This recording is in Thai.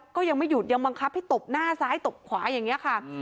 ก็ยังไม่หยุดยังบังคับให้ตบหน้าซ้ายตบขวาอย่างนี้ค่ะ